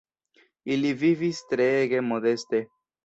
Ili vivis treege modeste.